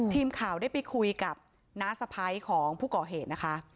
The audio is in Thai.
ทีมข่าวได้ไปคุยกับน้าสะพ้ายของผู้ก่อเหตุนะคะ